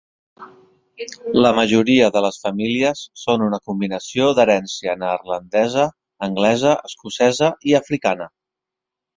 La majoria de les famílies són una combinació d'herència neerlandesa, anglesa, escocesa i africana.